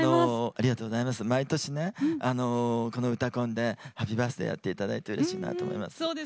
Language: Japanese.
毎年この「うたコン」で「ハッピーバースデー」やっていただいてうれしいなと思います。